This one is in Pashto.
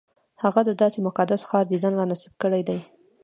هغه د داسې مقدس ښار دیدن را نصیب کړی دی.